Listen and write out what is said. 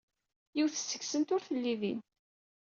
Yiwet seg-sent ur telli din.